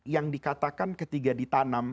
yang dikatakan ketika ditanam